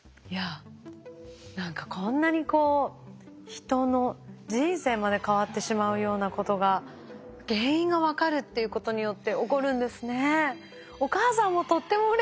いや何かこんなにこう人の人生まで変わってしまうようなことが原因が分かるっていうことによって起こるんですね。